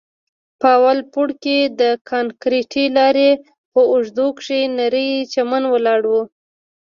په اول پوړ کښې د کانکريټي لارې په اوږدو کښې نرى چمن ولاړ و.